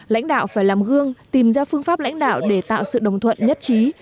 lãnh đạo phải làm gương tìm ra phương pháp lãnh đạo để tạo sự đồng thuận nhất trí